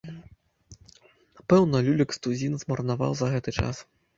Пэўна люлек з тузін змарнаваў за гэты час.